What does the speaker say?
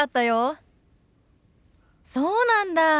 そうなんだ。